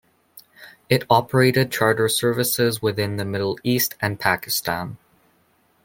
It operated charter services within the Middle East and Pakistan.